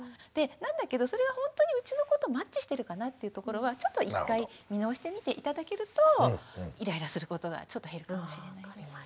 なんだけどそれがほんとにうちの子とマッチしてるかなっていうところはちょっと１回見直してみて頂けるとイライラすることがちょっと減るかもしれないです。